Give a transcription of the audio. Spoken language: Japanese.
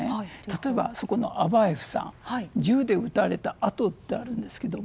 例えば、アバエフさん銃で撃たれた痕とあるんですけど